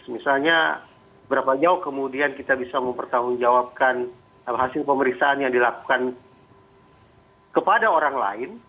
misalnya berapa jauh kemudian kita bisa mempertanggungjawabkan hasil pemeriksaan yang dilakukan kepada orang lain